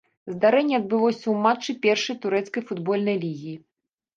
Здарэнне адбылося ў матчы першай турэцкай футбольнай лігі.